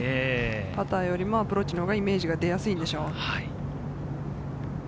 パターよりもアプローチのほうがイメージが出やすいのでしょう。